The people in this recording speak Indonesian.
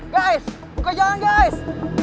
guys buka jalan guys